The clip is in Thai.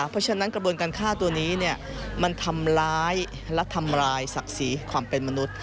เพราะฉะนั้นกระบวนการฆ่าตัวนี้มันทำร้ายและทำร้ายศักดิ์ศรีความเป็นมนุษย์